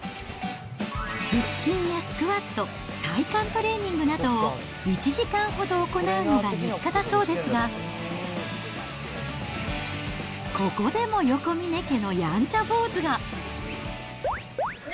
腹筋やスクワット、体幹トレーニングなどを１時間ほど行うのが日課だそうですが、ここでも横峯家のやんちゃ坊主が。